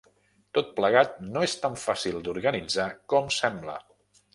Tot plegat no és tan fàcil d’organitzar com sembla.